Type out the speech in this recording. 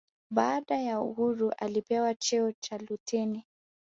baada ya uhuru alipewa cheo cha luteni